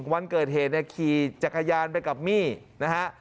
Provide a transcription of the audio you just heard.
วันเกิดเหตุเนี่ยขี่จักรยานไปกับมี่นะฮะ